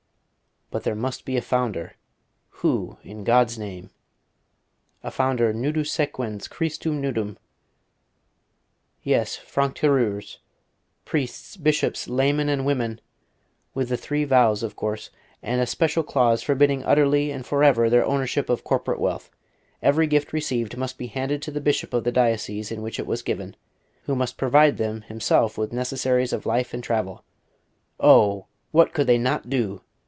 ... But there must be a Founder Who, in God's Name? a Founder nudus sequens Christum nudum.... Yes Franc tireurs priests, bishops, laymen and women with the three vows of course, and a special clause forbidding utterly and for ever their ownership of corporate wealth. Every gift received must be handed to the bishop of the diocese in which it was given, who must provide them himself with necessaries of life and travel. Oh! what could they not do?...